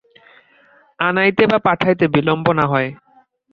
আনাইতে বা পাঠাইতে বিলম্ব না হয়।